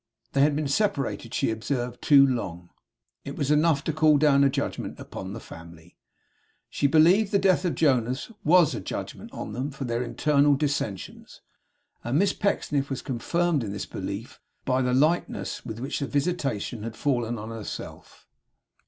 They had been separated, she observed, too long. It was enough to call down a judgment upon the family. She believed the death of Jonas WAS a judgment on them for their internal dissensions. And Miss Pecksniff was confirmed in this belief, by the lightness with which the visitation had fallen on herself.